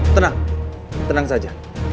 tenang tenang saja